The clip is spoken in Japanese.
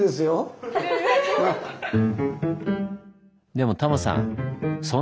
でもタモさん